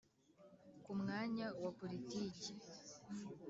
ku mwanya wa politike,